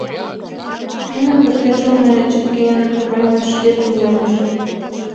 Нуно, пӧртӧнчылнӧ тӱпкен, уремыш лектын йомыч.